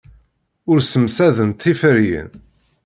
Ur ssemsadent tiferyin.